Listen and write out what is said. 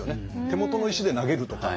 手元の石で投げるとか。